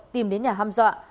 tìm đến nhà hăm dọa